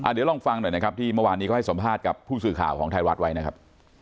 เดี๋ยวลองฟังหน่อยนะครับที่เมื่อวานนี้เขาให้สัมภาษณ์กับผู้สื่อข่าวของไทยรัฐไว้นะครับ